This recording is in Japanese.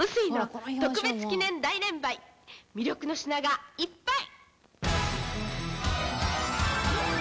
魅力の品がいっぱい！